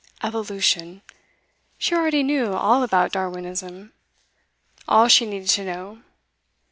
Evolution! She already knew all about Darwinism, all she needed to know.